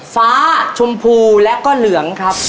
ฟ้าชมพูและก็เหลืองครับ